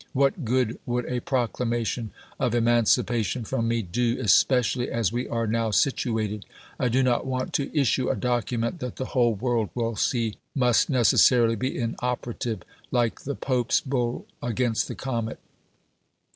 .. What good would a proclamation of emancipation from me do, especially as we are now situated? I do not want to issue a document that the whole world will see must necessarily be inoperative, like the Pope's bull against the comet.